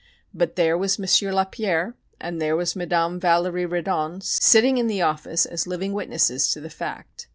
But there was M. Lapierre and there was Madame Valerie Reddon sitting in the office as living witnesses to the fact.